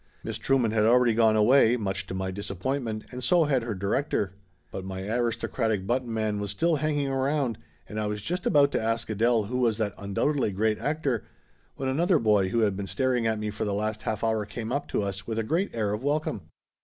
Miss Trueman had already gone away, much to my disappointment, and so had her di rector. But my aristocratic button man was still hang ing around, and I was just about to ask Adele who was that undoubtedly great actor, when another boy who had been staring at me for the last half hour came up to us with a great air of welcome.